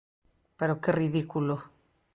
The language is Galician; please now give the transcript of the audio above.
Pero ¡que ridículo!